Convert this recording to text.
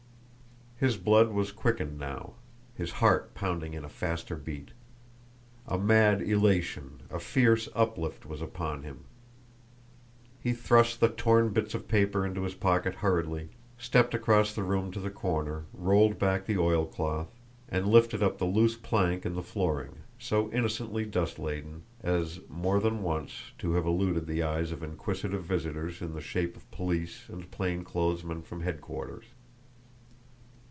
His blood was quickened now, his heart pounding in a faster beat; a mad elation, a fierce uplift was upon him. He thrust the torn bits of paper into his pocket hurriedly, stepped across the room to the corner, rolled back the oilcloth, and lifted up the loose plank in the flooring, so innocently dustladen, as, more than once, to have eluded the eyes of inquisitive visitors in the shape of police and plain clothes men from headquarters.